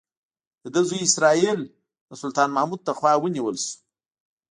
د ده زوی اسراییل د سلطان محمود لخوا ونیول شو.